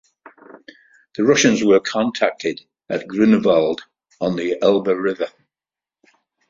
The Russians were contacted at Grunewald on the Elbe River.